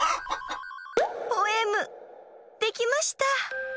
ポエムできました！